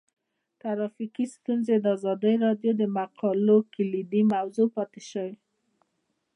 ټرافیکي ستونزې د ازادي راډیو د مقالو کلیدي موضوع پاتې شوی.